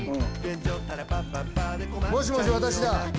もしもし私だ。